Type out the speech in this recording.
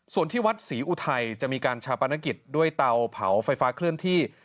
ส่วนที่วัดศรีอุทัยจะมีการชาปนกิจด้วยเตาเผาไฟฟ้าเคลื่อนที่